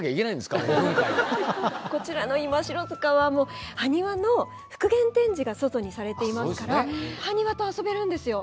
こちらの今城塚はハニワの復元展示が外にされていますからハニワと遊べるんですよ。